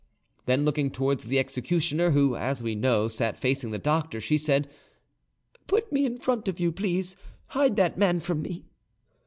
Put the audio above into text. Then, looking towards the executioner, who, as we know, sat facing the doctor, she said, "Put me in front of you, please; hide that man from me."